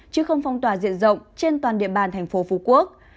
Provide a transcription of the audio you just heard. chứ không phong tỏa diện rộng trên toàn địa bàn thành phố phú quốc